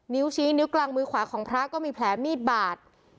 ชี้นิ้วกลางมือขวาของพระก็มีแผลมีดบาด